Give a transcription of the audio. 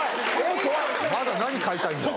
まだ何買いたいんだ。